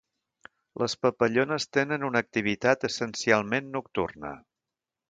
Les papallones tenen una activitat essencialment nocturna.